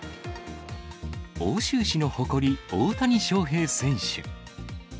奥州市の誇り、大谷翔平選手。